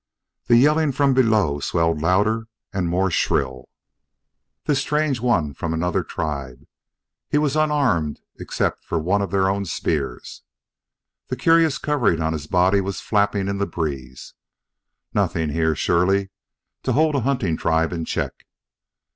The yelling from below swelled louder and more shrill. This strange one from another tribe he was unarmed except for one of their own spears. The curious covering on his body was flapping in the breeze. Nothing here, surely, to hold a hunting tribe in check.